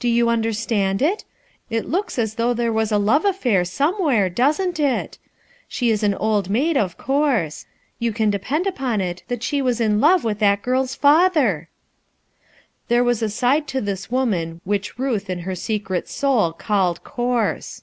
Do you understand it? It looks as though there was a love affair, somewhere, doesn't it? She is an old maid, of course. You can depend upon it that she was in love with that girl's father 1 M There was a side to this woman which Ruth in her secret soul called coarse.